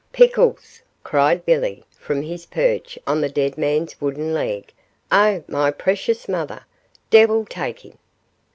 'Pickles,' cried Billy, from his perch on the dead man's wooden leg; 'oh, my precious mother, devil take him.